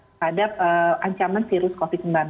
terhadap ancaman virus covid sembilan belas